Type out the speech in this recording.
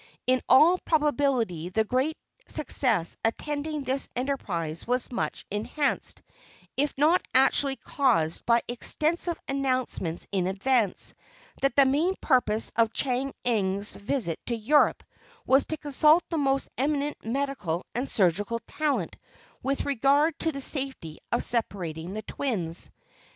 In all probability the great success attending this enterprise was much enhanced, if not actually caused by extensive announcements in advance, that the main purpose of Chang Eng's visit to Europe was to consult the most eminent medical and surgical talent with regard to the safety of separating the twins.